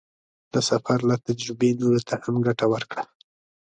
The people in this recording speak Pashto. د سفر له تجربې نورو ته هم ګټه ورکړه.